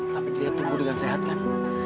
tapi dia tumbuh dengan sehat kan